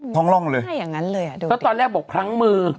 ร่องเลยถ้าอย่างนั้นเลยอ่ะดูแล้วตอนแรกบอกพลั้งมือ